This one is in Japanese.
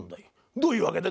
どういうわけだい？